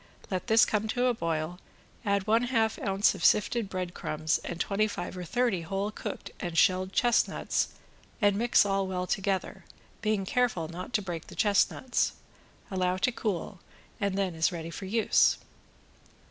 Let this come to a boil, add one half ounce of sifted bread crumbs and twenty five or thirty whole cooked and shelled chestnuts and mix all well together, being careful not to break the chestnuts. Allow to cool and then is ready for use.